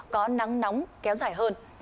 có nắng nóng kéo dài hơn